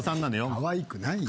かわいくないよ。